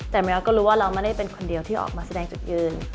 แต่มิวก็รู้ว่าเราไม่ได้เป็นคนเดียวที่ออกมาแสดงจุดยืน